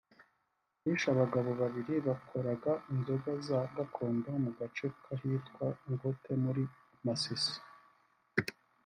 bishe abagabo babiri bakoraga inzoga za gakondo mu gace kahitwa Ngote muri Masisi